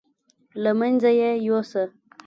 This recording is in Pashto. له منځه یې یوسه.